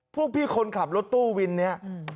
พวกพี่คนขับรถตู้วินนี้